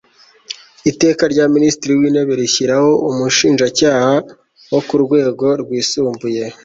Iteka rya Minisitiri w Intebe rishyiraho Umushinjacyaha wo ku rwego rwisumbuye